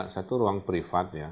satu ruang privatnya